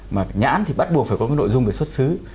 mà nhãn thì bắt buộc phải có cái nội dung về xuất xứ